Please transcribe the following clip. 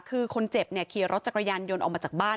คือคนเจ็บเนี่ยขี่รถจักรยานยนต์ออกมาจากบ้าน